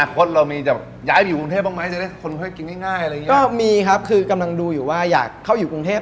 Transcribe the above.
ก็มีครับคือกำลังดูอยู่ว่าอยากเข้าอยู่กรุงเทพฯ